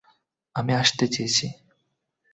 আমি আসতে চেয়েছি।